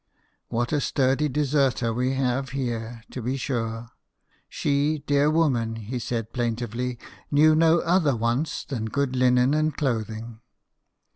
What a sturdy deserter we have here, to be sure !" She, dear woman," he says plaintively, "knew no other wants than good linen and clothing!"